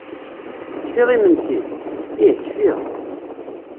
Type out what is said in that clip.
Tekfiḍ imensi? Ih kfiɣ!